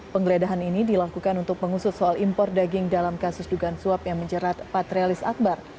penggeledahan ini dilakukan untuk mengusut soal impor daging dalam kasus dugaan suap yang menjerat patrialis akbar